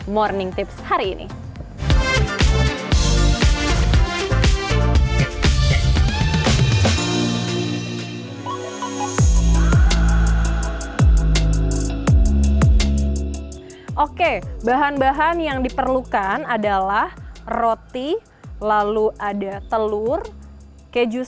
morning tips hari ini oke bahan bahan yang diperlukan adalah roti lalu ada telur keju